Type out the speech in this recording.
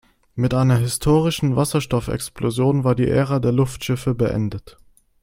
Mit einer historischen Wasserstoffexplosion war die Ära der Luftschiffe beendet.